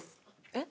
えっ？